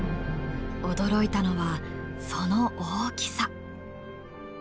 驚いたのはその大きさ。